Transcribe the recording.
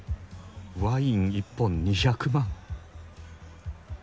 ワイン一本２００万！？